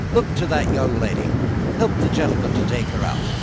look to that young lady. Help the gentleman to take her out.